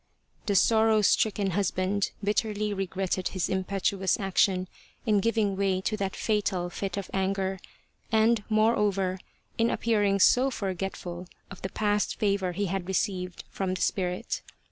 The sorrow stricken husband bitterly regretted his impetuous action in giving way to that fatal fit of anger and, moreover, in appearing so forgetful of the past favour he had received from the spirit.